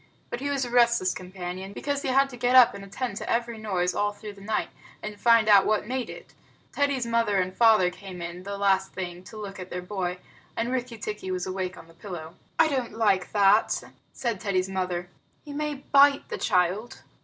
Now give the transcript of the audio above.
But he was a restless companion, because he had to get up and attend to every noise all through the night, and find out what made it. Teddy's mother and father came in, the last thing, to look at their boy, and Rikki tikki was awake on the pillow. "I don't like that," said Teddy's mother. "He may bite the child."